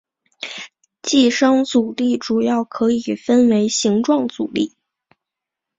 寄生阻力主要可以分为形状阻力。